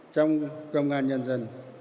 trong công an nhân dân